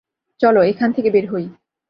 চলো এখান থেকে বের হই।